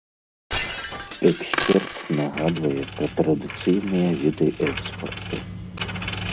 Эксперт нагадвае пра традыцыйныя віды экспарту.